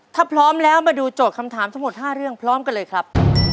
ถ้าพร้อมแล้วมาดูโจทย์คำถามทั้งหมด๕เรื่องพร้อมกันเลยครับ